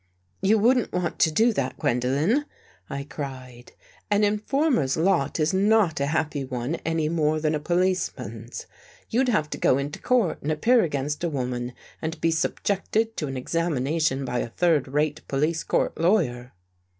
" You wouldn't want to do that, Gwendolen," I cried. " An informer's lot is not a happy one any more than a policeman's. You'd have to go into court and appear against a woman and be subjected to an examination by a third rate police court law yer."